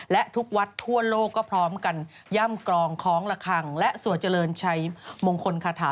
และทุกวัดทั่วโลกก็พร้อมกันย่ำกรองคล้องละคังและสวดเจริญชัยมงคลคาถา